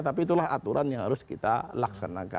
tapi itulah aturan yang harus kita laksanakan